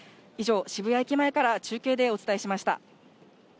以上、渋谷駅前から中継でお伝えしました。